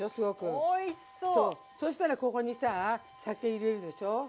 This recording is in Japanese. そしたらここにさ酒入れるでしょ。